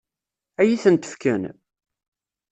Ad iyi-tent-fken?